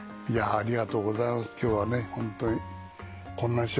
ありがとうございます。